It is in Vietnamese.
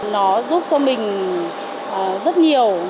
nó giúp cho mình rất nhiều